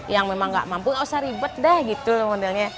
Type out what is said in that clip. yang memang nggak mampu nggak usah ribet deh gitu modelnya